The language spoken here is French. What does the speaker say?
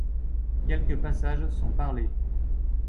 Quelques passages sont parlés.